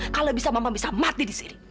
kalau bisa mama bisa mati di sini